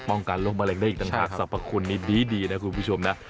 ป้องกันโรคมะเร็งได้อีกต่างหากสรรพคุณนี้ดีนะคุณผู้ชมนะ